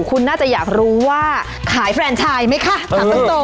คุณน่าจะอยากรู้ว่าขายแฟนชายไหมคะถามตรง